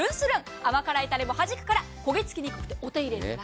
甘辛いたれもはじくから、焦げ付きにくくてお手入れも楽。